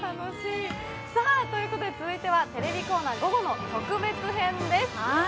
続いてはテレビコーナー午後の特別編です。